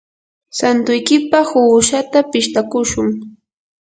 santuykipaq uushata pishtakushun.